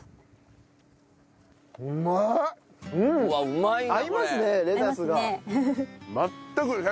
うまい。